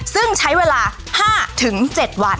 ซึ่งใช้เวลา๕๗วัน